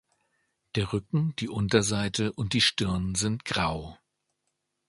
Der Rücken, die Unterseite und die Stirn sind grau.